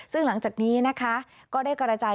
ซึ่งหลังจากนี้นะคะก็ได้กระจาย